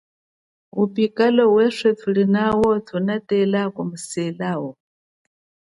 Upikalo weswe tulinao inatela kumuselao.